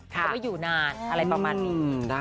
เขาไม่อยู่นานอะไรประมาณนี้